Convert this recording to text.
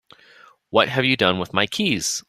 What have you done with my keys?